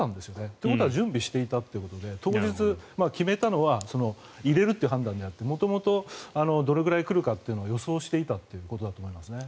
ということは準備していたということで当日決めたのは入れるという判断ではなくて元々どれぐらい来るかということを予想していたということだと思いますね。